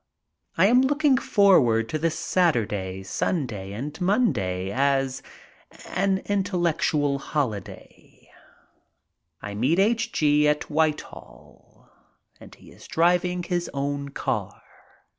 I am looking forward to this Saturday, Sunday, and Monday as an intellectual holiday. I meet H. G. at White hall and he is driving his own car.